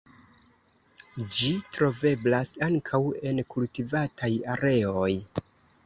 Ĝi troveblas ankaŭ en kultivataj areoj.